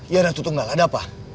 ya natu tunggal ada apa